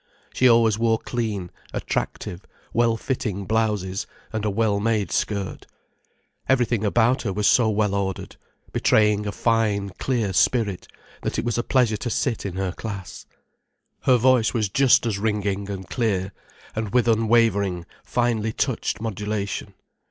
She always wore clean, attractive, well fitting blouses, and a well made skirt. Everything about her was so well ordered, betraying a fine, clear spirit, that it was a pleasure to sit in her class. Her voice was just as ringing and clear, and with unwavering, finely touched modulation.